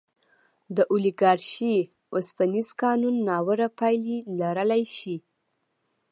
د اولیګارشۍ اوسپنیز قانون ناوړه پایلې لرلی شي.